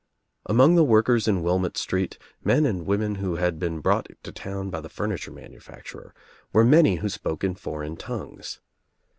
Among the workers in Wihnott Street, men and women who had been brought to town by the furniture manufacturer, were many who spoke in foreign tongues.